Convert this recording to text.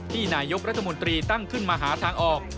นายกรัฐมนตรีตั้งขึ้นมาหาทางออก